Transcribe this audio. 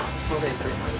いただきます。